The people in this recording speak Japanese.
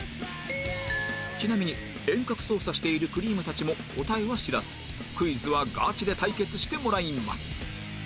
ちなみに遠隔操作しているくりぃむたちも答えは知らずクイズはガチで対決してもらいます